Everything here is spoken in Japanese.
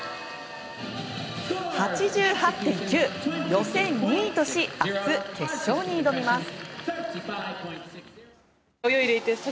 予選２位とし明日、決勝に挑みます。